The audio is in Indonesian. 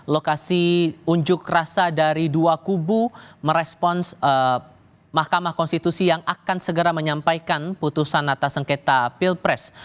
lokasi unjuk rasa dari dua kubu merespons mahkamah konstitusi yang akan segera menyampaikan putusan atas sengketa pilpres